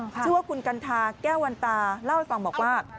ชื่อว่าคุณกัณฑาแก้ววันตาเล่าให้ฟังบอกว่า